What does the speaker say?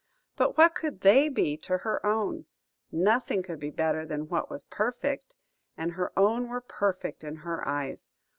But what could they be to her own? Nothing could be better than what was perfect, and her own were perfect in her eyes.